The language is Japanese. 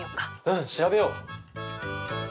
うん調べよう！